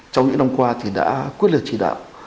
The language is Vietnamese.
trong những năm qua đã quyết liệt chỉ đạo